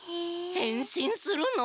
へんしんするの？